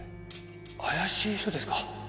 怪しい人ですか？